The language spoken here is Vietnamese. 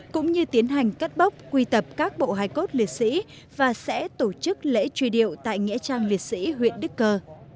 cũng như tiến hành cất bóc quy tập các bộ hài cốt liệt sĩ và sẽ tổ chức lễ truy điệu tại nghĩa trang liệt sĩ huyện đức cơ